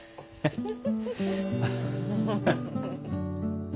フフフッ。